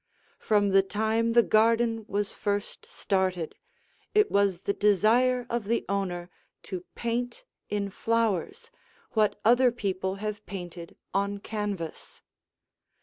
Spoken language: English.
From the time the garden was first started, it was the desire of the owner to paint in flowers what other people have painted on canvas.